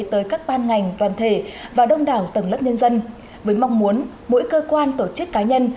tới các ban ngành đoàn thể và đông đảo tầng lớp nhân dân với mong muốn mỗi cơ quan tổ chức cá nhân